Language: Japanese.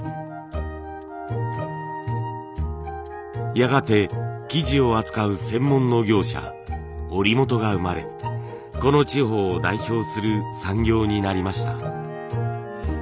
やがて生地を扱う専門の業者織元が生まれこの地方を代表する産業になりました。